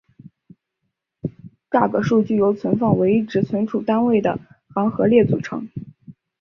栅格数据由存放唯一值存储单元的行和列组成。